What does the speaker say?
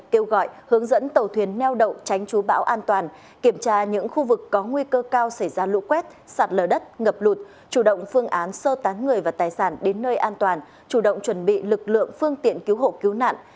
kêu gọi hướng dẫn tàu thuyền neo đậu tránh chú bão an toàn kiểm tra những khu vực có nguy cơ cao xảy ra lũ quét sạt lở đất ngập lụt chủ động phương án sơ tán người và tài sản đến nơi an toàn chủ động chuẩn bị lực lượng phương tiện cứu hộ cứu nạn